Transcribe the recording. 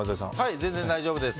全然、大丈夫です。